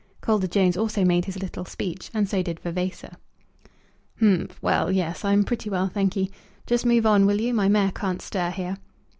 Calder Jones also made his little speech, and so did Vavasor. "Humph well, yes, I'm pretty well, thank'ee. Just move on, will you? My mare can't stir here."